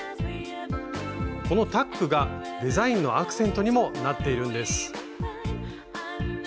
このタックがデザインのアクセントにもなっているんです。